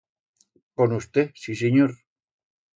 Con usté, sí sinyor.